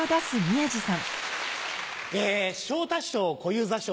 昇太師匠小遊三師匠